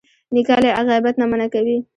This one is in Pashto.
نیکه له غیبت نه منع کوي.